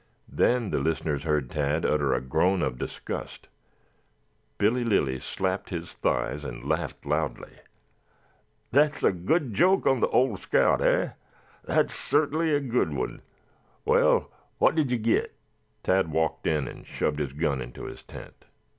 Then the listeners heard Tad utter a groan of disgust. Billy Lilly slapped his thighs and laughed loudly. "That's a good joke on the old scout, eh? That's certainly a good one. Well, what did you get?" Tad walked in and shoved his gun into his tent.